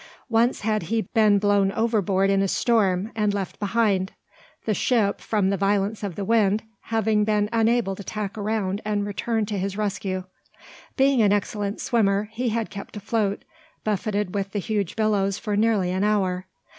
Once had he been blown overboard in a storm, and left behind, the ship, from the violence of the wind, having been unable to tack round and return to his rescue. Being an excellent swimmer, he had kept afloat, buffeting with the huge billows for nearly an hour.